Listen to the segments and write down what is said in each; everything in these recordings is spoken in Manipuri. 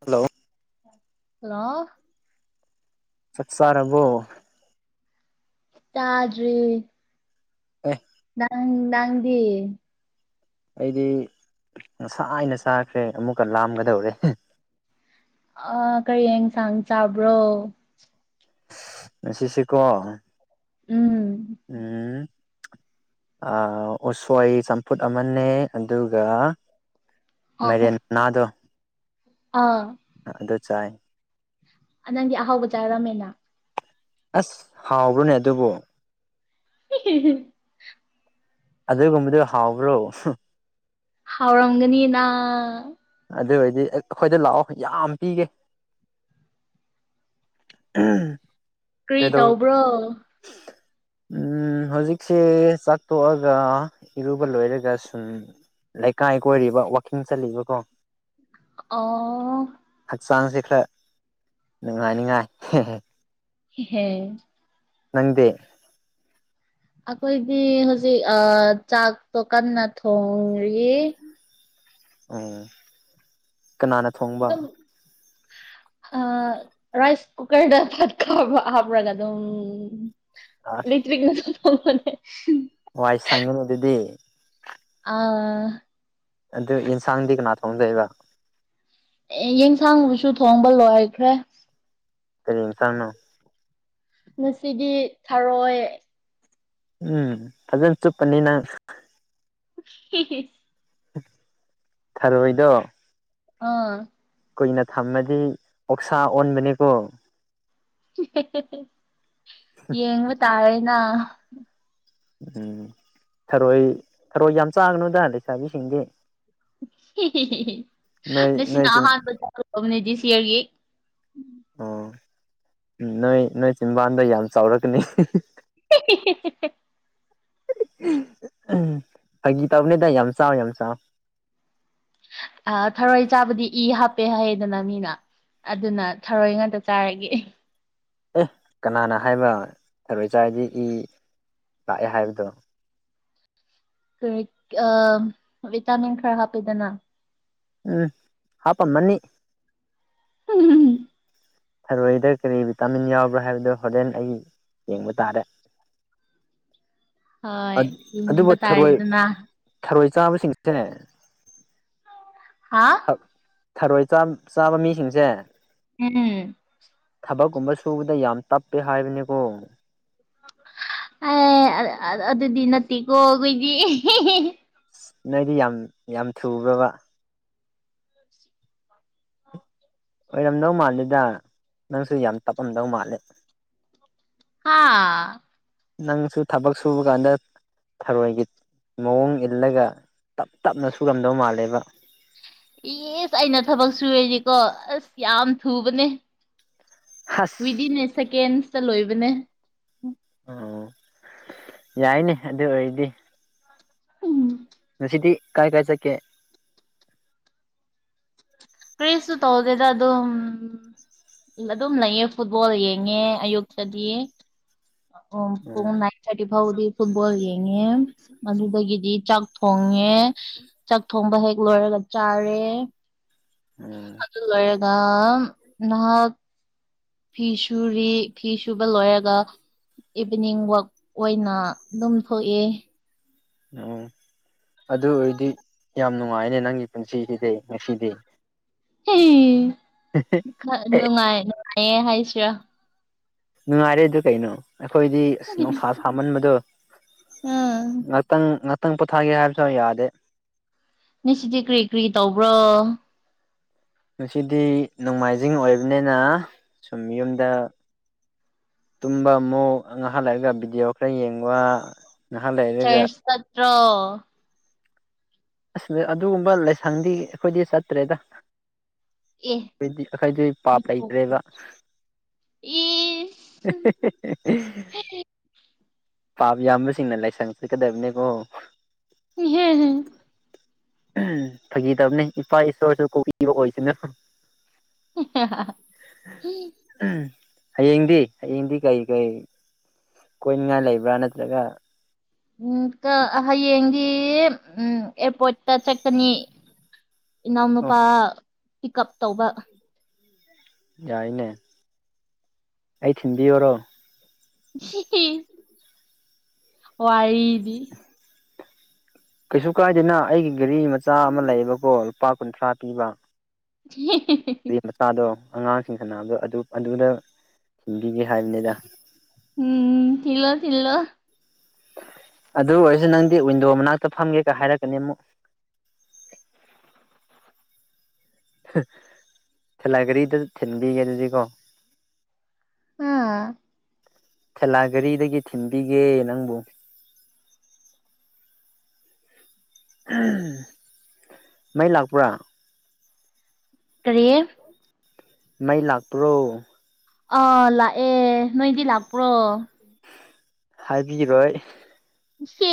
ꯍꯜꯂꯣ ꯍꯜꯂꯣ ꯆꯛ ꯆꯥꯥꯔꯕꯣ ꯆꯥꯗ꯭ꯔꯤ ꯑꯦ ꯎꯝ ꯅꯪꯗꯤ ꯑꯩꯗꯤ ꯉꯁꯥꯏꯅ ꯆꯥꯈ꯭ꯔꯦ ꯑꯃꯨꯛꯀ ꯂꯥꯝꯒꯗꯧꯔꯦ ꯑ ꯀꯔꯤꯌꯦꯡꯁꯥꯡ ꯆꯥꯕ꯭ꯔꯣ ꯉꯁꯤꯁꯦ ꯀꯣ ꯎꯝ ꯎꯝ ꯑ ꯎꯁꯣꯏ ꯆꯝꯐꯨꯠ ꯑꯃꯅꯦ ꯑꯗꯨꯒ ꯑ ꯍꯣꯏ ꯃꯥꯏꯔꯦꯟ ꯃꯅꯥꯗꯣ ꯑꯥ ꯑ ꯑꯗꯨ ꯆꯥꯏ ꯑ ꯅꯪꯗꯤ ꯑꯍꯥꯎꯕ ꯆꯥꯔꯝꯃꯦꯅ ꯑꯁ ꯍꯥꯎꯕ꯭ꯔꯣꯅꯦ ꯑꯗꯨꯕꯨ ꯍꯤ ꯍꯤ ꯍ ꯑꯗꯨꯒꯨꯝꯕꯗꯣ ꯍꯥꯎꯕ꯭ꯔꯣ ꯍꯥꯎꯔꯝꯒꯅꯤꯅꯥ ꯑꯗꯨ ꯑꯣꯏꯔꯗꯤ ꯑꯩꯈꯣꯏꯗ ꯂꯥꯛꯑꯣ ꯌꯥꯝ ꯄꯤꯒꯦ ꯎꯝ ꯀ꯭ꯔꯤ ꯇꯧꯕ꯭ꯔꯣ ꯎ ꯍꯧꯖꯤꯛꯁꯦ ꯆꯥꯛꯊꯣꯛꯑꯒ ꯏꯔꯨꯕ ꯂꯣꯏꯔꯒ ꯁꯨꯝ ꯂꯩꯀꯥꯏ ꯀꯣꯏꯔꯤꯕ ꯋꯥꯛꯀꯤꯡ ꯆꯠꯂꯤꯕꯀꯣ ꯑꯣ ꯆꯥꯡꯁꯦ ꯈꯔ ꯅꯨꯡꯉꯥꯏꯅꯤꯡꯉꯥꯏ ꯏꯍꯦ ꯅꯪꯗꯤ ꯑꯩꯈꯣꯏꯗꯤ ꯍꯧꯖꯤꯛ ꯑ ꯆꯥꯛꯇꯣ ꯀꯟꯅ ꯊꯣꯡꯔꯤ ꯑꯣ ꯀꯅꯥꯅ ꯊꯣꯡꯕ ꯑꯗꯨꯝ ꯑ ꯔꯥꯢꯁ ꯀꯨꯀꯔꯅ ꯑꯁ [unintelligible] [unintelligible] ꯋꯥꯏ ꯁꯪꯉꯅꯨ ꯑꯗꯨꯗꯤ ꯑꯥ ꯑꯗꯨ ꯌꯦꯟꯁꯥꯡꯗꯤ ꯀꯅꯥ ꯊꯣꯡꯗꯣꯏꯕ ꯑꯦ ꯌꯦꯟꯁꯥꯡꯗꯨꯁꯨ ꯊꯣꯡꯕ ꯂꯣꯏꯈ꯭ꯔꯦ ꯀꯔꯤ ꯍꯤꯟꯁꯥꯡꯅꯣ ꯉꯁꯤꯗꯤ ꯊꯔꯣꯏ ꯎꯝ ꯐꯖꯅ ꯆꯨꯞꯄꯅꯤꯅꯪ ꯍꯤ ꯍꯦ ꯊꯔꯣꯏꯗꯣ ꯑꯥ ꯀꯨꯏꯅ ꯊꯝꯃꯗꯤ ꯑꯣꯛꯁꯥ ꯑꯣꯟꯕꯅꯤꯀꯣ ꯌꯦꯡꯕ ꯇꯥꯔꯦꯅ ꯎꯝ ꯊꯔꯣꯏ ꯊꯔꯣꯏ ꯌꯥꯝ ꯆꯥꯒꯅꯨꯗ ꯂꯩꯁꯥꯕꯤꯁꯤꯡꯗꯤ ꯅꯣꯏ ꯅꯣꯏ ꯉꯁꯤꯅ ꯆꯤꯟ ꯑꯍꯥꯟꯕꯅꯦ ꯇꯧꯕꯅꯦ ꯗꯤꯁ ꯏꯌꯥꯔꯒꯤ ꯑꯣ ꯅꯣꯏ ꯅꯣꯏ ꯆꯤꯟꯕꯥꯟꯗꯣ ꯌꯥꯝ ꯆꯥꯎꯔꯛꯀꯅꯤ ꯍꯦ ꯍꯦ ꯍꯦ ꯍꯦ ꯍꯦ ꯐꯥꯒꯤ ꯇꯧꯅꯦꯗ ꯌꯥꯝ ꯆꯥꯎ ꯌꯥꯝ ꯆꯥꯎ ꯑ ꯊꯔꯣꯏ ꯆꯥꯕꯗꯤ ꯏ ꯍꯥꯞꯄꯦ ꯍꯥꯏꯌꯦꯗꯅ ꯃꯤꯅ ꯑꯗꯨꯅ ꯊꯔꯣꯏ ꯉꯥꯛꯇ ꯆꯥꯔꯒꯦ ꯑꯦ ꯀꯅꯥꯅ ꯍꯥꯏꯕ꯭ꯔꯥ ꯊꯔꯣꯏ ꯆꯥꯔꯗꯤ ꯏ ꯂꯥꯛꯑꯦ ꯍꯥꯏꯕꯗꯣ ꯀꯔꯤ ꯑ ꯕꯤꯇꯥꯃꯤꯟ ꯈꯔ ꯍꯥꯄꯤꯗꯅ ꯎꯝ ꯍꯥꯞꯄꯝꯃꯅꯤ ꯎꯝ ꯍ ꯍ ꯍ ꯊꯔꯣꯏꯗ ꯀꯔꯤ ꯚꯤꯇꯥꯃꯤꯟ ꯌꯥꯎꯕ꯭ꯔꯥ ꯍꯥꯏꯕꯗꯣ ꯍꯣꯔꯦꯟ ꯑꯩ ꯌꯦꯡꯕ ꯇꯥꯔꯦ [inaudible] ꯍꯣꯏ ꯑꯗꯨꯕꯨ ꯌꯦꯡꯍꯟꯕ ꯊꯔꯣꯏ ꯇꯥꯔꯦꯗꯅ ꯊꯔꯣꯏ ꯆꯥꯕꯁꯤꯡꯁꯦ ꯍꯥ ꯊꯔꯣꯏ ꯆꯥꯕ ꯆꯥꯕ ꯃꯤꯁꯤꯡꯁꯦ ꯎꯝ ꯊꯕꯛꯀꯨꯝꯕ ꯁꯨꯕꯗ ꯌꯥꯝ ꯇꯞꯄꯦ ꯍꯥꯏꯕꯅꯤꯀꯣ ꯑꯦ ꯑꯗꯨꯗꯤ ꯅꯠꯇꯦꯀꯣ ꯑꯩꯈꯣꯏꯗꯤ ꯑꯁ ꯅꯣꯏꯗꯤ ꯌꯥꯝ ꯌꯥꯝ ꯊꯨꯕ꯭ꯔꯥꯕ ꯑꯣꯏꯔꯝꯗꯧ ꯃꯥꯜꯂꯦꯗ ꯅꯪꯁꯨ ꯌꯥꯝ ꯇꯞꯂꯝꯗꯧ ꯃꯥꯜꯂꯦ ꯍꯥꯥ ꯅꯪꯁꯨ ꯊꯕꯛ ꯁꯨꯕ ꯀꯥꯟꯗ ꯊꯔꯣꯏꯒꯤ ꯃꯑꯣꯡ ꯏꯜꯂꯒ ꯇꯞ ꯇꯞꯅ ꯁꯨꯔꯝꯗꯧ ꯃꯥꯜꯂꯦꯕ ꯑꯦꯁ ꯑꯩꯅ ꯊꯕꯛ ꯁꯨꯔꯦꯗꯤꯀꯣ ꯑꯁ ꯌꯥꯝ ꯊꯨꯕꯅꯦ ꯋꯤꯗꯤꯟ ꯍꯁ ꯑꯦ ꯁꯦꯀꯦꯟꯁꯇ ꯂꯣꯏꯕꯅꯦ ꯑꯣ ꯌꯥꯏꯅꯦ ꯑꯗꯨ ꯑꯣꯏꯔꯗꯤ ꯎꯝ ꯉꯁꯤꯗꯤ ꯀꯥꯏꯗ ꯆꯠꯀꯦ ꯀ꯭ꯔꯤꯁꯨ ꯇꯧꯗꯦꯗ ꯑꯗꯨꯝ ꯑꯗꯨꯝ ꯂꯩꯌꯦ ꯐꯨꯠꯕꯣꯜ ꯌꯦꯡꯉꯦ ꯑꯌꯨꯛꯇꯒꯤ ꯑꯣ ꯎꯝ ꯄꯨꯡ ꯅꯥꯏꯟ ꯊꯥꯔꯇꯤ ꯐꯥꯎꯗꯤ ꯐꯨꯠꯕꯣꯜ ꯌꯦꯉꯦ ꯑꯗꯨꯗꯒꯤꯗꯤ ꯆꯥꯛ ꯊꯣꯡꯉꯦ ꯆꯥꯛ ꯊꯣꯡꯕ ꯍꯦꯛ ꯂꯣꯏꯔꯒ ꯆꯥꯔꯦ ꯎꯝ ꯑꯗꯨꯒ ꯂꯣꯢꯔꯒ ꯅꯍꯥꯛ ꯐꯤ ꯁꯨꯔꯤ ꯐꯤ ꯁꯨꯕ ꯂꯣꯏꯔꯒ ꯏꯚꯤꯅꯤꯡ ꯋꯥꯛ ꯑꯣꯏꯅ ꯑꯗꯨꯝ ꯊꯣꯛꯑꯦ ꯑꯣ ꯑꯗꯨ ꯑꯣꯏꯔꯗꯤ ꯌꯥꯝ ꯅꯨꯡꯉꯥꯏꯌꯦꯅꯦ ꯅꯪꯒꯤ ꯄꯨꯟꯁꯤꯁꯤꯗꯤ ꯉꯁꯤꯗꯤ ꯍꯦ ꯈ ꯑꯦ ꯅꯨꯡꯉꯥꯏ ꯌꯦ ꯍꯥꯏꯁꯤꯔꯥ ꯅꯨꯡꯉꯥꯏꯔꯦ ꯑꯗꯨ ꯀꯩꯅꯣ ꯑꯩꯈꯣꯏꯗꯤ ꯑꯁ ꯎꯝ ꯅꯨꯡꯁꯥ ꯁꯥꯃꯟꯕꯗꯣ ꯎꯝ ꯉꯥꯛꯇꯪ ꯉꯥꯛꯇꯪ ꯄꯣꯊꯥꯒꯦ ꯍꯥꯏꯕꯁꯨ ꯌꯥꯗꯦ ꯉ ꯁꯤꯗꯤ ꯀꯔꯤ ꯀꯔꯤ ꯇꯧꯕ꯭ꯔꯣ ꯉꯁꯤꯗꯤ ꯅꯣꯡꯃꯥꯏꯖꯤꯡ ꯑꯣꯏꯕꯅꯤꯅ ꯁꯨꯝ ꯌꯨꯝꯗ ꯇꯨꯝꯕ ꯑꯃꯨꯛ ꯉꯥꯍꯛꯂꯩꯔꯒ ꯚꯤꯗꯤꯑꯣ ꯈꯔ ꯌꯦꯡꯕ ꯅꯍꯥꯛ ꯂꯩꯔꯒ ꯕ꯭ꯔꯣ ꯑꯁ ꯑꯗꯨꯒꯨꯝꯕ ꯂꯥꯏꯁꯪꯗꯤ ꯑꯩꯈꯣꯏꯗꯤ ꯆꯠꯇ꯭ꯔꯦꯗ ꯑꯦ ꯗꯤ ꯑꯩꯈꯣꯏꯗꯤ ꯄꯥꯞ ꯂꯩꯇ꯭ꯔꯦꯗ ꯍꯦ ꯏꯁ ꯍꯦ ꯍꯦ ꯄꯥꯕ ꯌꯥꯝꯕꯁꯤꯡꯅ ꯂꯥꯏꯁꯪ ꯆꯠꯀꯗꯕꯅꯦꯀꯣ ꯍꯦꯍ ꯎ ꯐꯥꯈꯤꯗꯧꯕꯅꯦ ꯏꯄꯥ ꯏꯁꯣꯔꯁꯨ ꯀꯣꯛꯄꯤꯕ ꯑꯣꯏꯁꯤꯅ ꯎꯝ ꯍꯌꯦꯡꯗꯤ ꯍꯌꯦꯡꯗꯤ ꯀꯩ ꯀꯔꯤ ꯀꯣꯏꯅꯤꯡꯉꯥꯏ ꯂꯩꯕ꯭ꯔꯥ ꯅꯠꯇ꯭ꯔꯒ ꯎꯝ ꯀ ꯑ ꯍꯌꯦꯡꯗꯤ ꯎꯝ ꯑꯦꯌꯥꯔꯄꯣꯔꯠꯇ ꯆꯠꯀꯅꯤ ꯑꯣ ꯏꯅꯥꯎꯅꯨꯄꯥ ꯄꯤꯛ ꯑꯞ ꯇꯧꯕ ꯌꯥꯏꯅꯦ ꯑꯩ ꯊꯤꯟꯕꯤꯌꯣꯔꯣ ꯁꯤ ꯋꯥꯔꯤꯗꯤ ꯀꯩꯁꯨ ꯀꯥꯏꯗꯦꯅ ꯑꯩꯒꯤ ꯒꯥꯔꯤ ꯃꯆꯥ ꯑꯃ ꯂꯩꯌꯦꯕꯀꯣ ꯂꯨꯄꯥ ꯀꯨꯟꯊ꯭ꯔꯥ ꯄꯤꯕ ꯍꯤ ꯅꯨꯄꯤ ꯃꯆꯥꯗꯣ ꯑꯉꯥꯡꯁꯤꯡ ꯁꯅꯥꯕꯗꯨ ꯑꯗꯨ ꯑꯗꯨꯗ ꯍꯥꯏꯕꯅꯤꯗ ꯎꯝ ꯊꯤꯜꯂꯣ ꯊꯤꯜꯂꯣ ꯑꯗꯨ ꯑꯣꯏꯔꯁꯨ ꯅꯪꯗꯤ ꯋꯤꯟꯗꯣ ꯃꯅꯥꯛꯇ ꯐꯝꯒꯦ ꯀ ꯍꯥꯏꯔꯛꯀꯅꯤ ꯑꯃꯨꯛ [inaudible] ꯊꯂꯥꯏꯒꯔꯤꯗ ꯊꯤꯟꯕꯤꯒꯦ ꯑꯗꯨꯗꯤꯀꯣ ꯍꯥ ꯊꯦꯂꯥ ꯒꯥꯔꯤꯗꯒꯤ ꯊꯤꯟꯕꯤꯒꯦ ꯅꯪꯕꯨ ꯃꯩ ꯂꯥꯛꯄ꯭ꯔꯥ ꯀꯔꯤ ꯃꯩ ꯂꯥꯛꯄ꯭ꯔꯣ ꯑꯥ ꯂꯥꯛꯑꯦ ꯅꯣꯏꯗꯤ ꯂꯥꯛꯄ꯭ꯔꯣ ꯍꯥꯏꯕꯤꯔꯣꯏ ꯁꯦ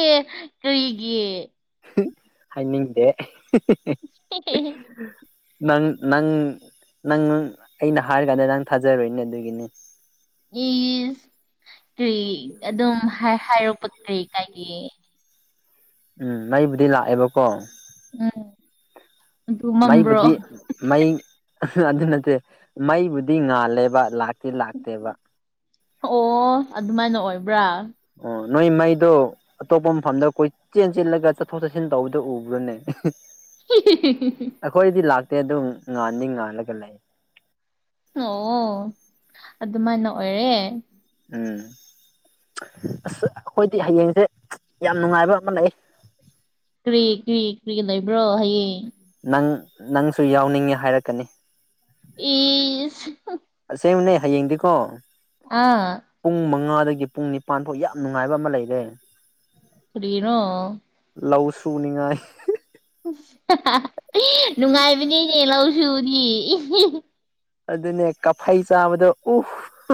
ꯀꯔꯤꯒꯤ ꯍꯥꯏꯅꯤꯡꯗꯦ ꯍ ꯍꯦ ꯍ ꯅꯪ ꯅꯪ ꯅꯪ ꯑꯩꯅ ꯍꯥꯏꯔꯀꯥꯟꯗ ꯅꯪ ꯊꯥꯖꯔꯣꯏꯅꯦ ꯑꯗꯨꯒꯤꯅꯤ ꯏꯁ ꯀ꯭ꯔꯤ ꯑꯗꯨꯝ ꯍꯥꯢ ꯍꯥꯏꯔꯛꯄ ꯀꯩ ꯀꯥꯏꯒꯦ ꯎꯝ ꯃꯩꯕꯨꯗꯤ ꯂꯥꯛꯑꯦꯕꯀꯣ ꯎꯝ ꯑꯗꯨ ꯃꯝꯕ꯭ꯔꯣ ꯃꯩꯕꯨꯗꯤ ꯃꯩ ꯑꯗꯨ ꯅꯠꯇꯦ ꯃꯩꯕꯨꯗꯤ ꯉꯥꯜꯂꯦꯕ ꯂꯥꯛ ꯇꯤ ꯂꯥꯛꯇꯦꯕ ꯑꯣ ꯑꯗꯨꯃꯥꯏꯅ ꯑꯣꯏꯕ꯭ꯔꯥ ꯑꯣ ꯅꯣꯏ ꯃꯩꯗꯣ ꯑꯇꯣꯞꯄ ꯃꯐꯝꯗ ꯀꯣꯏꯆꯦꯜ ꯆꯦꯜꯂꯒ ꯆꯠꯊꯣꯛ ꯆꯠꯁꯤꯟ ꯇꯧꯕꯗ ꯎꯕ꯭ꯔꯅꯦ ꯑꯩꯈꯣꯏꯗꯤ ꯂꯥꯛꯇꯦ ꯑꯗꯨꯝ ꯉꯥꯟꯗꯤ ꯉꯥꯜꯂꯒ ꯂꯩ ꯑꯣ ꯑꯗꯨꯃꯥꯏꯅ ꯑꯣꯏꯔꯦ ꯎꯝ ꯑꯁ ꯑꯈꯣꯏꯗꯤ ꯍꯌꯦꯡꯖꯦ ꯌꯥꯝ ꯅꯨꯡꯉꯥꯏꯕ ꯃ ꯂꯩ ꯀ꯭ꯔꯤ ꯀ꯭ꯔꯤ ꯀ꯭ꯔꯤ ꯂꯩꯕ꯭ꯔꯣ ꯍꯌꯦꯡ ꯅꯪ ꯅꯪꯁꯨ ꯌꯥꯎꯅꯤꯡꯉꯦ ꯍꯥꯏꯔꯛꯀꯅꯤ ꯏꯤꯁ ꯁꯦꯡꯃꯅꯦ ꯍꯌꯦꯡꯗꯤꯀꯣ ꯄꯨꯡ ꯃꯉꯥ ꯗꯒꯤ ꯄꯨꯡ ꯅꯤꯄꯥꯟ ꯐꯥꯎ ꯌꯥꯝ ꯅꯨꯡꯉꯥꯏꯕ ꯑꯃ ꯂꯩꯔꯦ ꯀꯔꯤꯔꯣ ꯂꯧ ꯁꯨꯅꯤꯡꯉꯥꯏ ꯏꯁ [unintelligible] ꯅꯨꯡꯉꯥꯏꯕꯅꯦꯅꯦ ꯂꯧ ꯁꯨꯕꯗꯤ [unintelligible] ꯑꯗꯨꯅꯦ ꯀꯐꯩ ꯆꯥꯕꯗꯣ ꯎꯐ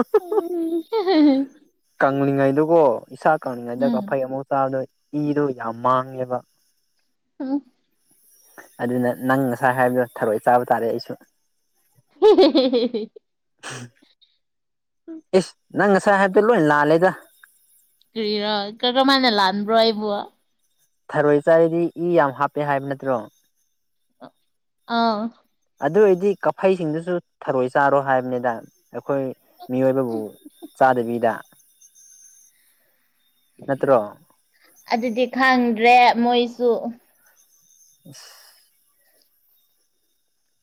ꯎꯝ [unintelligible] ꯀꯪꯂꯤꯉꯩꯗꯀꯣ ꯏꯁꯥ ꯀꯪꯂꯤꯉꯩꯗ ꯀꯐꯩ ꯑꯃꯨꯛ ꯆꯥꯕꯗꯣ ꯏꯗꯣ ꯌꯥꯝ ꯃꯥꯡꯉꯦꯕ [unintelligible] ꯑꯗꯨꯅ ꯅꯪ ꯉꯁꯥꯏ ꯍꯥꯏꯕꯗꯣ ꯊꯥꯔꯣꯏ ꯆꯥꯕ ꯇꯥꯔꯦ ꯑꯩꯁꯨ [unintelligible] ꯏꯁ ꯅꯪ ꯉꯁꯥꯏ ꯍꯥꯏꯕꯗꯣ ꯂꯣꯏ ꯂꯥꯜꯂꯦꯗ ꯀ꯭ꯔꯤꯔꯥ ꯀꯔꯝꯃꯥꯏꯅ ꯂꯥꯟꯕ꯭ꯔꯣ ꯑꯩꯕꯨ ꯊꯔꯣꯏ ꯆꯥꯔꯤꯗꯤ ꯏ ꯌꯥꯝ ꯍꯥꯞꯄꯦ ꯍꯥꯏꯕ ꯅꯠꯇ꯭ꯔꯣ ꯑꯧ ꯑꯗꯨ ꯑꯣꯏꯔꯗꯤ ꯀꯐꯩꯁꯤꯡꯗꯨꯁꯨ ꯊꯔꯣꯏ ꯆꯥꯔꯣ ꯍꯥꯏꯝꯅꯤꯗ ꯑꯩꯈꯣꯏ ꯃꯤꯑꯣꯏꯕꯕꯨ ꯆꯥꯗꯕꯤꯗ ꯅꯠꯇ꯭ꯔꯣ ꯑꯗꯨꯗꯤ ꯈꯪꯗ꯭ꯔꯦ ꯃꯣꯏꯁꯨ [inaudible]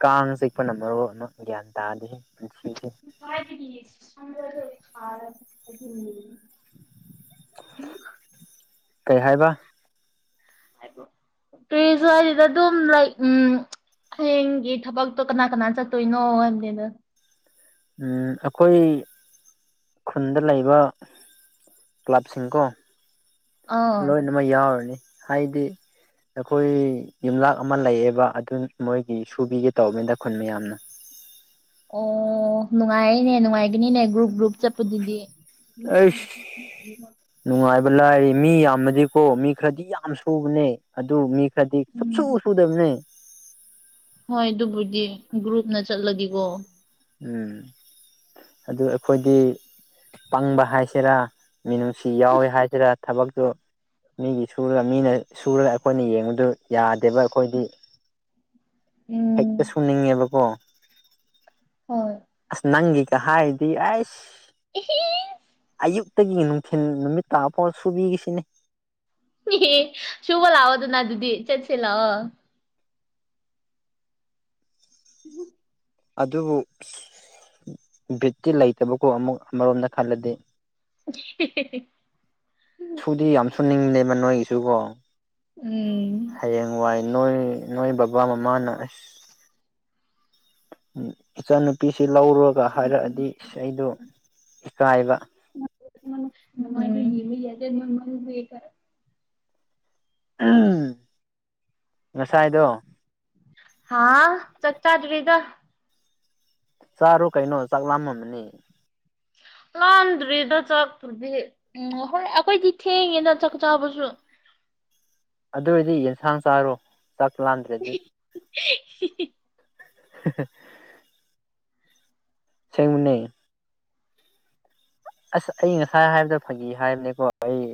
ꯀꯥꯡ ꯆꯤꯛꯄꯅ ꯃꯔꯣꯟ ꯑꯃ ꯒ꯭ꯌꯥꯟ ꯇꯥꯗꯦꯍꯦ ꯄꯨꯟꯁꯤꯁꯦ [unintelligible] ꯀꯩ ꯍꯥꯏꯕ ꯀ꯭ꯔꯤꯁꯨ ꯍꯥꯏꯗꯦꯗ ꯑꯗꯨꯝ ꯂꯩ ꯎꯝ ꯍꯥꯌꯦꯡꯒꯤ ꯊꯕꯛꯇꯣ ꯀꯅꯥ ꯀꯅꯥ ꯆꯠꯇꯣꯏꯅꯣ ꯍꯥꯏꯝꯅꯤꯗ ꯎꯝ ꯑꯈꯣꯏ ꯈꯨꯟꯗ ꯂꯩꯕ ꯀ꯭ꯂꯕ ꯁꯤꯡꯀꯣ ꯑꯥ ꯂꯣꯏꯅꯃꯛ ꯌꯥꯎꯔꯅꯤ ꯍꯥꯏꯗꯤ ꯑꯈꯣꯏ ꯌꯨꯝꯂꯥꯛ ꯑꯃ ꯂꯩꯌꯦꯕ ꯑꯗꯨ ꯃꯣꯏꯒꯤ ꯁꯨꯕꯤꯒꯦ ꯇꯧꯕꯅꯤꯗ ꯈꯨꯟ ꯃꯌꯥꯝꯅ ꯑꯣ ꯅꯨꯡꯉꯥꯏꯌꯦꯅꯦ ꯅꯨꯡꯉꯥꯏꯒꯅꯤꯅꯦ ꯒ꯭ꯔꯨꯞ ꯒ꯭ꯔꯨꯞ ꯆꯠꯄꯗꯨꯗꯤ ꯂꯥꯏꯌꯦ ꯃꯤ ꯌꯥꯝꯃꯗꯤꯀꯣ ꯃꯤ ꯈ꯭ꯔꯗꯤ ꯌꯥꯝ ꯁꯨꯕꯅꯦ ꯑꯗꯨ ꯃꯤ ꯈ꯭ꯔꯗꯤ ꯁꯨꯛꯁꯨ ꯎꯝ ꯁꯨꯗꯕꯅꯦ ꯍꯣꯏ ꯑꯗꯨꯕꯨꯗꯤ ꯒ꯭ꯔꯨꯞꯅ ꯆꯠꯂꯗꯤꯀꯣ ꯎꯝ ꯑꯗꯨ ꯑꯩꯈꯣꯏꯗꯤ ꯄꯪꯕ ꯍꯥꯏꯁꯦꯔꯥ ꯃꯤꯅꯨꯡꯁꯤ ꯌꯥꯎꯋꯦ ꯍꯥꯏꯁꯤꯔꯥ ꯊꯕꯛꯇꯨ ꯃꯤꯒꯤ ꯁꯨꯔ ꯃꯤꯅ ꯁꯨꯔ ꯑꯈꯣꯏꯅ ꯌꯦꯡꯕꯗꯨ ꯌꯥꯗꯦꯕ ꯑꯈꯣꯏꯗꯤ ꯎꯝ ꯍꯦꯛꯇ ꯁꯨꯅꯤꯡꯉꯦꯕꯀꯣ ꯍꯣꯏ ꯑꯁ ꯅꯪꯒꯤꯀ ꯍꯥꯏꯔꯗꯤ ꯑꯩꯁ ꯑꯦꯍꯦ ꯑꯌꯨꯛ ꯇꯒꯤ ꯅꯨꯡꯊꯤꯜ ꯅꯨꯃꯤꯠ ꯇꯥ ꯐꯥꯎ ꯁꯨꯕꯤꯒꯦ ꯁꯤꯅꯤ ꯑꯦꯍꯦ ꯁꯨꯕ ꯂꯥꯛꯑꯣꯗꯅ ꯑꯗꯨꯗꯤ ꯆꯠꯁꯦ ꯂꯥꯛꯑꯣ [inaudible] ꯑꯗꯨꯕꯨ ꯕꯤꯠꯇꯤ ꯂꯩꯇꯕꯀꯣ ꯑꯃꯨꯛ ꯃꯔꯣꯝꯗ ꯈꯜꯂꯗꯤ ꯁꯨꯗꯤ ꯌꯥꯝ [unintelligible] ꯁꯨꯅꯤꯡꯗꯦꯕ ꯅꯣꯏꯒꯤꯁꯨꯀꯣ ꯎꯝ ꯍꯌꯦꯡ ꯋꯥꯏ ꯅꯣꯏ ꯅꯣꯏ ꯕꯕꯥ ꯃꯃꯥꯅ ꯑꯁ ꯏꯆꯥꯅꯨꯄꯤꯁꯤ ꯂꯧꯔꯣꯒ ꯍꯥꯏꯔꯛꯑꯗꯤ ꯑꯩꯗꯣ ꯏꯀꯥꯏꯕ [unintelligible] [unintelligible] ꯉꯁꯥꯏꯗꯣ ꯍꯥꯥ ꯆꯛꯆꯥꯗ꯭ꯔꯤꯗ ꯆꯥꯔꯣ ꯀꯩꯅꯣ ꯆꯥꯛ ꯂꯥꯝꯃꯝꯃꯅꯤ [inaudible] ꯂꯥꯝꯗ꯭ꯔꯤꯗ ꯆꯥꯛꯄꯨꯗꯤ ꯎꯝ ꯍꯣꯏ ꯑꯈꯣꯏꯗꯤ ꯊꯦꯡꯉꯦꯗ ꯆꯥꯛ ꯆꯥꯕꯁꯨ [inaudible] ꯑꯗꯨ ꯑꯣꯏꯔꯗꯤ ꯌꯦꯟꯁꯥꯡ ꯆꯥꯔꯣ ꯆꯥꯛ ꯂꯥꯝꯗ꯭ꯔꯗꯤ ꯍꯤ ꯍꯤ [unintelligible] ꯁꯦꯡꯕꯅꯦ ꯑꯁ ꯑꯩ ꯉꯁꯥꯏ ꯍꯥꯏꯕꯗꯣ ꯐꯒꯤ ꯍꯥꯏꯕꯅꯤꯀꯣ ꯑꯩ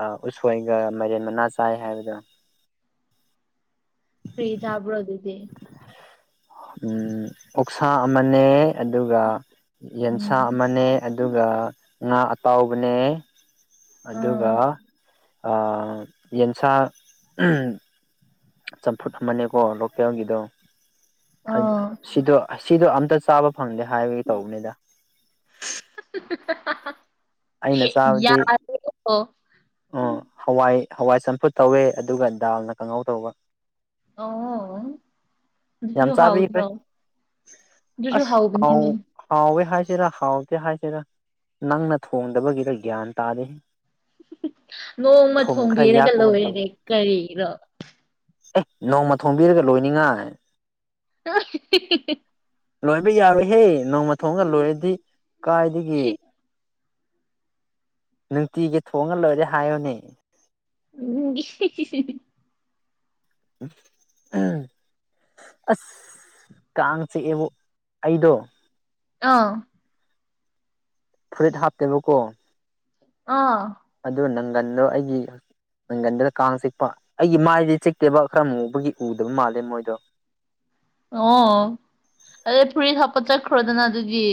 ꯑ ꯎꯁꯣꯏꯒ ꯃꯥꯏꯔꯦꯟ ꯃꯅꯥ ꯆꯥꯏ ꯍꯥꯏꯕꯗꯣ ꯀ꯭ꯔꯤ ꯆꯥꯕ꯭ꯔꯣ ꯑꯗꯨꯗꯤ ꯎꯝ ꯑꯣꯛꯁꯥ ꯑꯃꯅꯦ ꯑꯗꯨꯒ ꯌꯦꯟꯁꯥ ꯎꯝ ꯑꯃꯅꯦ ꯑꯗꯨꯒ ꯉꯥ ꯑꯇꯥꯎꯕꯅꯦ ꯑꯗꯨꯒ ꯎꯝ ꯑꯥ ꯌꯦꯟꯁꯥ ꯎꯝ ꯆꯝꯐꯨꯠ ꯑꯃꯅꯦꯀꯣ ꯂꯣꯀꯦꯜ ꯒꯤꯗꯣ ꯑ ꯍꯩ ꯁꯤꯗꯣ ꯑꯁꯤꯗꯣ ꯑꯝꯇ ꯆꯥꯕ ꯐꯪꯗꯦ ꯍꯥꯏꯕꯒꯤ ꯇꯧꯕꯅꯤꯗ ꯑꯩꯅ ꯆꯥꯕꯗꯤ ꯌꯥꯔꯦꯀꯣ ꯑ ꯍꯋꯥꯏ ꯍꯋꯥꯏ ꯆꯝꯐꯨꯠ ꯇꯧꯋꯦ ꯑꯗꯨꯒ ꯗꯥꯜꯅ ꯀꯥꯡꯉꯧ ꯇꯧꯕ ꯑꯣ ꯑꯗꯨꯁꯨ ꯌꯥꯝ ꯍꯥꯎꯇ꯭ꯔꯣ ꯆꯥꯕꯤꯈ꯭ꯔꯦ ꯑꯗꯨꯁꯨ ꯑꯁ ꯍꯥꯎ ꯍꯥꯎꯕꯅꯤꯅꯦ ꯍꯥꯎꯋꯦ ꯍꯥꯏꯁꯤꯔ ꯍꯥꯎꯇꯦ ꯍꯥꯏ ꯍꯦꯔꯥ ꯅꯪꯅ ꯊꯣꯡꯗꯕꯒꯤꯔ ꯒ꯭ꯌꯥꯟ ꯇꯥꯗꯦ ꯅꯣꯡꯃ ꯊꯨꯝ ꯈꯔ ꯊꯣꯡꯕꯤꯔꯒ ꯌꯥꯛꯄꯒꯨꯝ ꯇꯧꯋꯦ ꯂꯣꯏꯔꯦꯅꯦ ꯀꯔꯤꯅꯣ ꯑꯦ ꯅꯣꯡꯃ ꯊꯣꯡꯝꯕꯤꯔꯒ ꯂꯣꯏꯅꯤꯡꯉꯥꯏ [unintelligible] ꯂꯣꯏꯕ ꯌꯥꯔꯣꯏꯍꯦ ꯅꯣꯡꯃ ꯊꯣꯡꯉꯒ ꯂꯣꯏꯔꯗꯤ ꯀꯥꯏꯗꯒꯤ ꯅꯨꯡꯇꯤꯒꯤ ꯊꯣꯡꯉ ꯂꯣꯏꯔꯦ ꯍꯥꯏꯌꯣꯅꯦ [unintelligible] [inaudible] ꯑꯁ ꯀꯥꯡ ꯆꯤꯛꯑꯦꯕꯨ ꯑꯩꯗꯣ ꯑꯥ ꯐꯨꯔꯤꯠ ꯍꯥꯞꯇꯦꯕꯀꯣ ꯑꯥ ꯑꯗꯨ ꯅꯪꯒꯟꯗꯣ ꯑꯩꯒꯤ ꯅꯪꯒꯟꯗꯨꯗ ꯀꯥꯡ ꯆꯤꯛꯄ ꯑꯩꯒꯤ ꯃꯥꯏꯗꯤ ꯆꯤꯛꯇꯦꯕ ꯈꯔ ꯃꯨꯕꯒꯤ ꯎꯗꯕ ꯃꯥꯜꯂꯦ ꯃꯣꯏꯗꯣ ꯑꯣ ꯑꯗ ꯐꯨꯔꯤꯠ ꯍꯥꯞꯄ ꯆꯠꯈ꯭ꯔꯣꯗꯅ ꯑꯗꯨꯗꯤ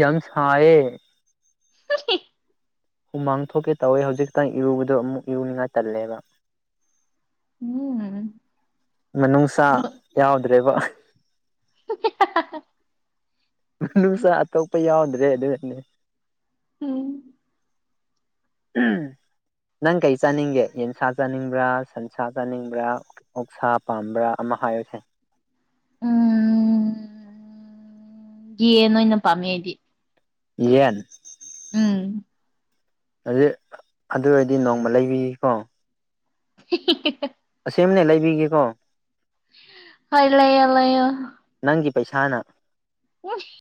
ꯌꯥꯝ ꯁꯥꯏꯌꯦ [unintelligible] ꯍꯨꯃꯥꯡ ꯊꯣꯛꯀꯦ ꯇꯧꯋꯦ ꯍꯧꯖꯤꯛꯇꯪ ꯏꯔꯨꯕꯗꯣ ꯑꯃꯨꯛ ꯏꯔꯨꯅꯤꯉꯥꯏ ꯇꯜꯂꯦꯕ ꯎꯝ ꯃꯅꯨꯡꯁꯥ ꯌꯥꯎꯗ꯭ꯔꯦꯕ ꯅꯨꯡꯁꯥ ꯑꯇꯣꯞꯄ ꯌꯥꯎꯗ꯭ꯔꯦ ꯑꯗꯨꯅꯦ ꯎꯝ [unintelligible] ꯅꯪ ꯀꯩ ꯆꯥꯅꯤꯡꯒꯦ ꯌꯦꯟꯁꯥ ꯆꯥꯅꯤꯡꯕ꯭ꯔꯥ ꯁꯟꯁꯥ ꯆꯥꯅꯤꯡꯕ꯭ꯔꯥ ꯑꯣꯛꯁꯥ ꯄꯥꯝꯕ꯭ꯔꯥ ꯑꯃ ꯍꯥꯏꯌꯣꯁꯦ [inaudible] ꯎꯝ ꯌꯦꯟ ꯑꯣꯏꯅ ꯄꯥꯝꯃꯦ ꯑꯩꯗꯤ ꯌꯦꯟ ꯎꯝ ꯑꯗꯤ ꯑꯗꯨ ꯑꯣꯏꯗꯤ ꯅꯣꯡꯃ ꯂꯩꯕꯤꯒꯦꯀꯣ [unintelligible] ꯑꯁꯦꯝꯃꯅꯦ ꯂꯩꯕꯤꯒꯦꯀꯣ ꯍꯣꯏ ꯂꯩꯌꯣ ꯂꯩꯌꯣ ꯅꯪꯒꯤ ꯄꯩꯁꯥꯅ [unintelligible]